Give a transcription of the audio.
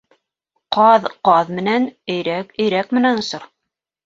Ҡаҙ ҡаҙ менән, өйрәк өйрәк менән осор.